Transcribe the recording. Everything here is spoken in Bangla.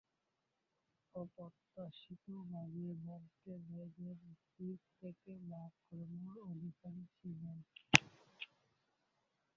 অপ্রত্যাশিতভাবে বলকে লেগের দিক থেকে বাঁক করানোর অধিকারী ছিলেন।